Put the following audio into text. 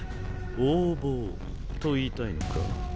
横暴と言いたいのか？